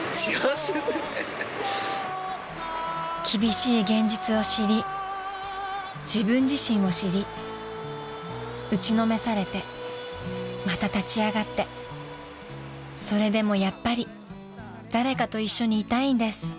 ［厳しい現実を知り自分自身を知り打ちのめされてまた立ち上がってそれでもやっぱり誰かと一緒にいたいんです］